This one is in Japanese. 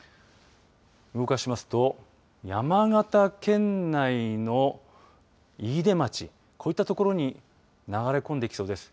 動かしますと山形県内の飯豊町こういった所に流れ込んできそうです。